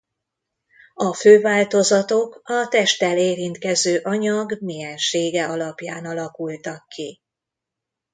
A fő változatok a testtel érintkező anyag milyensége alapján alakultak ki.